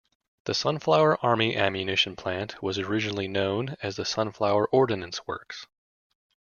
The Sunflower Army Ammunition Plant was originally known as the Sunflower Ordnance Works.